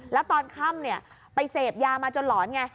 แล้วตอนค่ำไปเสพยามาจนหลอนไง